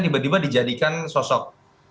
tiba tiba dijadikan sosok